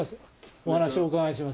お話をお伺いします。